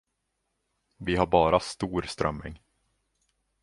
Vi har bara stor strömming.